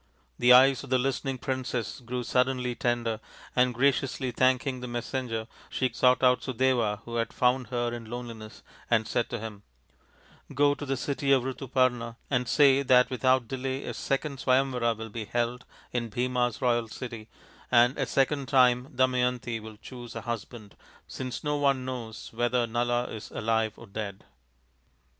The eyes of the listening princess grew suddenly tender, and graciously thanking the messenger she sought out Sudeva who had found her in her loneli ness and said to him :" Go to the city of Rituparna and say that with out delay a second Swayamvara will be held in Bhima's royal city, and a second time Damayanti will choose a husband, since no one knows whether Nala is alive or dead."